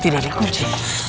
tidak di kunci